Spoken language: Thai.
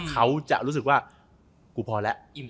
เขาจะรู้สึกว่ากูพอแล้ว